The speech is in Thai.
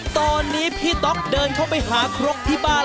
ตอนนี้พี่ต๊อกเดินเข้าไปหาครกที่บ้าน